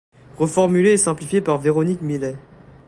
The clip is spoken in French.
Reformulé et simplifié par Véronique Millet.